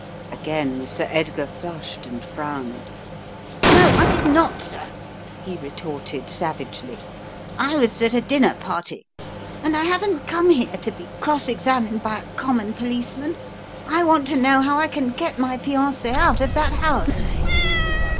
Again Sir Edgar flushed and frowned. "No, I did not, sir," he retorted savagely. "I was at a dinner party. And I haven't come here to be cross examined by a common policeman. I want to know how I can get my fiancee out of that house."